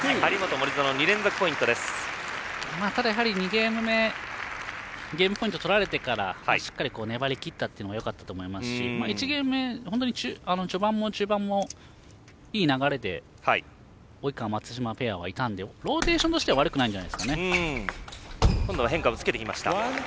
ただ、やはり２ゲーム目ゲームポイント取られてからしっかり粘りきったのがよかったですし１ゲーム目、本当に序盤も中盤もいい流れで及川、松島ペアはいたのでローテーションとしては悪くないんじゃないですかね。